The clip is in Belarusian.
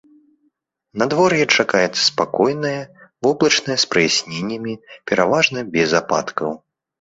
Надвор'е чакаецца спакойнае, воблачнае з праясненнямі, пераважна без ападкаў.